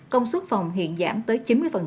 công suất phòng hiện giảm tới chín mươi